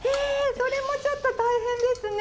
それもちょっと大変ですね。